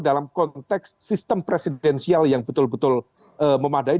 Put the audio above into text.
dalam konteks sistem presidensial yang betul betul memadai